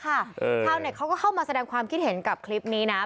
ชาวเน็ตเขาก็เข้ามาแสดงความคิดเห็นกับคลิปนี้นะ